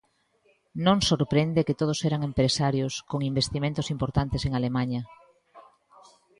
Non sorprende que todos eran empresarios con investimentos importantes en Alemaña.